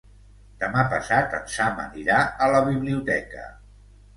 Demà passat en Sam anirà a la biblioteca.